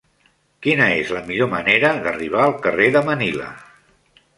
Quina és la millor manera d'arribar al carrer de Manila?